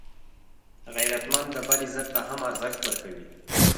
غیرتمند د بل عزت ته هم ارزښت ورکوي